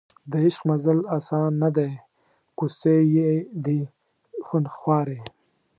د عشق مزل اسان نه دی کوڅې یې دي خونخوارې